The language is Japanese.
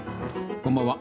こんばんは。